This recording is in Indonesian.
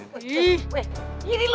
maser maseran kayak gini